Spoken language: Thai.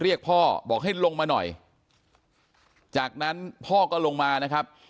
แล้วเขาได้ยินเสียงคล้ายปืนดังขึ้นหนึ่งนัด